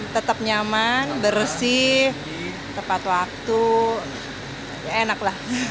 tetap nyaman bersih tepat waktu enak lah